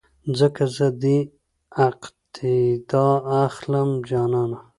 ځکه زه دې اقتیدا اخلم جانانه